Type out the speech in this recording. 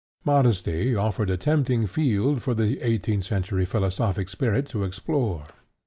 Modesty offered a tempting field for the eighteenth century philosophic spirit to explore.